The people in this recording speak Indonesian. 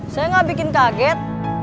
saya enggak bikin kaget